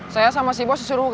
saya sama si bos disuruh ganti